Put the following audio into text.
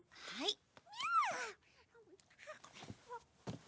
はい。